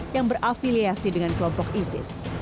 yang berafiliasi dengan kelompok isis